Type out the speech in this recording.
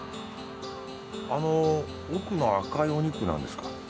あのう奥の赤いお肉何ですか？